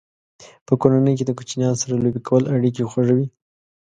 په کورنۍ کې د کوچنیانو سره لوبې کول اړیکې خوږوي.